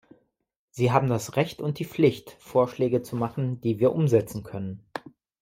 Sie haben das Recht und die Pflicht, Vorschläge zu machen, die wir umsetzen können.